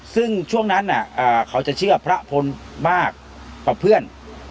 ซึ่งช่วงนั้นเขาจะเชื่อพระพลมากกว่าเพื่อน